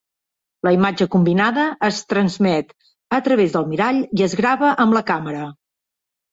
La imatge combinada es transmet a través del mirall i es grava amb la càmera.